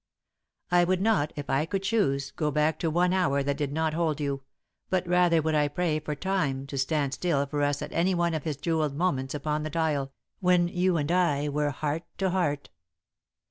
I would not, if I could choose, go back to one hour that did not hold you, but rather would I pray for Time to stand still for us at any one of his jewelled moments upon the dial, when you and I were heart to heart.